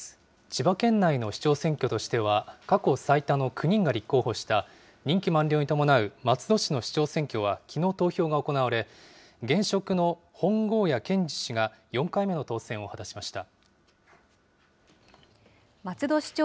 千葉県内の市長選挙としては、過去最多の９人が立候補した、任期満了に伴う松戸市の市長選挙はきのう投票が行われ、現職の本郷谷健次氏が、４回目の当選を果たしました。